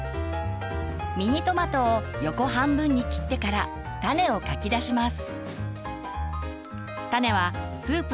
ミニトマトを横半分に切ってから種をかき出します。